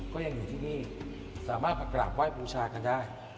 ก็ยังอยู่ที่นี่สามารถมากราบไหว้บูชากันได้